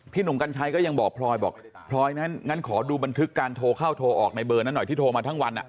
หนุ่มกัญชัยก็ยังบอกพลอยบอกพลอยงั้นขอดูบันทึกการโทรเข้าโทรออกในเบอร์นั้นหน่อยที่โทรมาทั้งวัน